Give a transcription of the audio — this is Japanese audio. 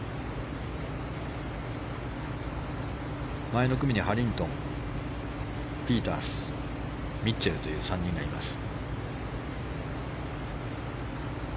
前の組にハリントン、ピータースミッチェルという３人がいます。